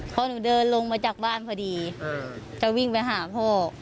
พอหนูเดินลงมาจากบ้านพอดีจะวิ่งไปหาพ่อ